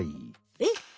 えっ？